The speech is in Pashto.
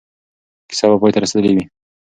کیسه به پای ته رسېدلې وي.